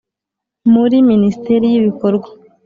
muri Minisiteri y Ibikorwa